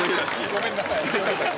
ごめんなさい。